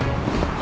あ。